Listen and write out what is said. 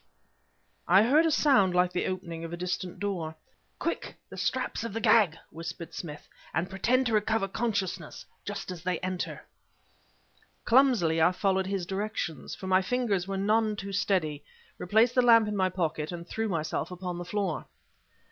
I heard a sound like the opening of a distant door. "Quick! the straps of the gag!" whispered Smith, "and pretend to recover consciousness just as they enter " Clumsily I followed his directions, for my fingers were none too steady, replaced the lamp in my pocket, and threw myself upon the floor.